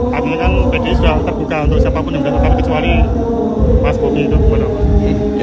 tapi kan bg sudah tergudang untuk siapapun yang mendatangkan kecuali mas bobby itu